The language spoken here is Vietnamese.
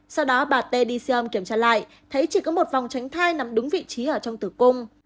sau đó bà t đi xeom kiểm tra lại thấy chỉ có một vòng tránh thai nằm đúng vị trí ở trong tử cung